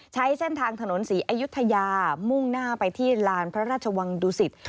ใช้เส้นทางถนนศรีอยุธยามุ่งหน้าไปที่ลานพระราชวังดุสิต